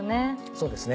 そうですね